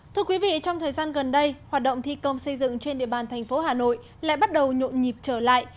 thưa quý vị trong thời gian gần đây hoạt động thi công xây dựng trên địa bàn tp hcm lại bắt đầu nhộn nhịp trở lại